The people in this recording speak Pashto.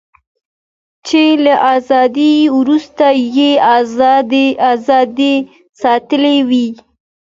چې له ازادۍ وروسته یې ازادي ساتلې وي.